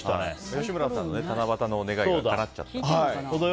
吉村さんの七夕の願いがかなっちゃった。